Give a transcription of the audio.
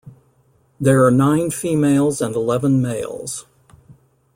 There are nine females and eleven males.